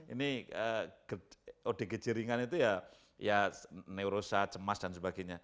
ini odgj ringan itu ya neurosa cemas dan sebagainya